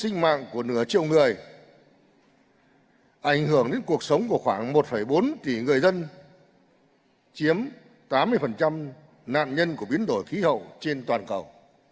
ảnh hưởng của nửa triệu người ảnh hưởng đến cuộc sống của khoảng một bốn tỷ người dân chiếm tám mươi nạn nhân của biến đổi khí hậu trên toàn cầu